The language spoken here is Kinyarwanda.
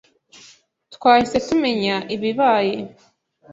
Twahise tumenya ibibaye.